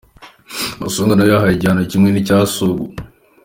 Masonga na we yahawe igihano kimwe n’icya Sugu.